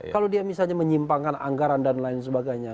kalau dia misalnya menyimpangkan anggaran dan lain sebagainya